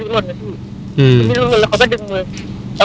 ต้อนรอบขึ้นมาเสรียบนแล้วก็เปลี่ยงอยู่กัน